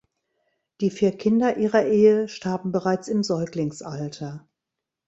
Die vier Kinder ihrer Ehe starben bereits im Säuglingsalter.